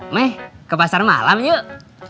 meh ke pasar malam yuk